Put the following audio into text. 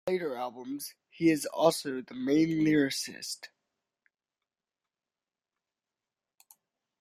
For the later albums he is also the main lyricist.